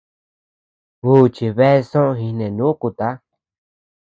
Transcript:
Juchi bea soʼö jinenúkuta.